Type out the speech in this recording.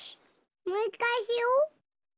もういっかいしよう！